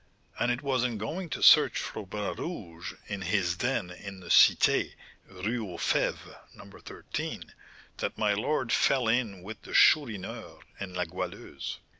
"And it was in going to search for Bras Rouge, in his den in the Cité (Rue aux Fêves, No. 13), that my lord fell in with the Chourineur and La Goualeuse.